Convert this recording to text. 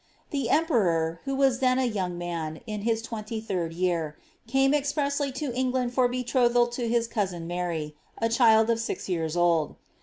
The emperor, who was then a young man, in his twenty third year, came expressly to England for betrothal to his cousin Mary, a cliiid of aiz years old.